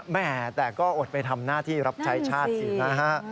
แม่แต่ก็อดไปทำหน้าที่รับใช้ชาติสินะฮะ